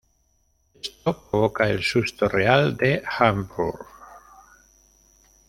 Esto provoca el susto real de Hepburn.